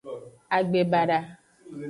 Agbebada.